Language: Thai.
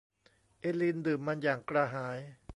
เอลีนดื่มมันอย่างกระหาย